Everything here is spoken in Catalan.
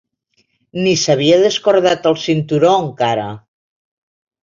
Ni s'havia descordat el cinturó, encara.